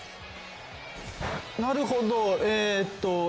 なるほどえっと。